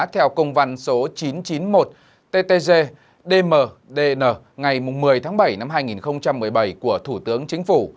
theo công văn số chín trăm chín mươi một ttg dmdn ngày một mươi tháng bảy năm hai nghìn một mươi bảy của thủ tướng chính phủ